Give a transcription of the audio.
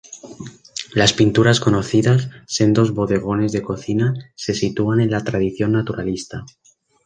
Las pinturas conocidas, sendos bodegones de cocina, se sitúan en la tradición naturalista.